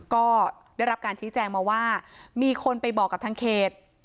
ก็ได้รับการชี้แจงมาว่ามีคนไปบอกกับทางเขต